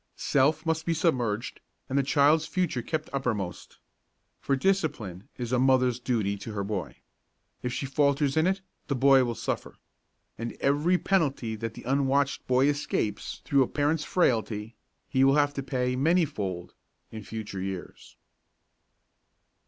Self must be submerged and the child's future kept uppermost. For discipline is a mother's duty to her boy. If she falters in it the boy will suffer. And every penalty that the unwatched boy escapes through a parent's frailty, he will have to pay, many fold, in the future years.